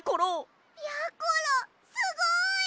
やころすごい！